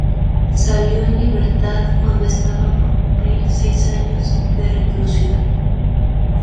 Salió en libertad cuando estaba por cumplir seis años de reclusión.